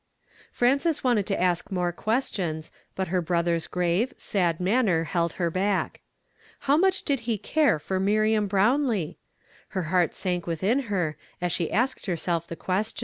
Frances wanted to ask more questions, but her brother's grave, sad manner held her back. How much did he care for ]\liriam Rrownlee? Her heart sank within her, as she asked herself the ■ I ( 104 YESTERDAY FRAMED IN TO DAY. q.